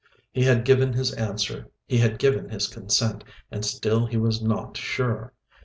He had given his answer, he had given his consent, and still he was not sure.